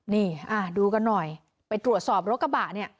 นี่ดูกันหน่อยไปตรวจสอบรถกระบะเนี่ย